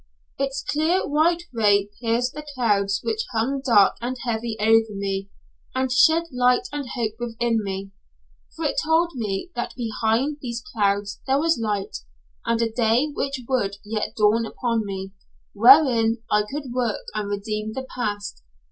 Its clear white ray pierced the clouds which hung dark and heavy over me, and shed light and hope within me, for it told me that behind these clouds there was a light, and a day which would yet dawn upon me, wherein I could work and redeem the past!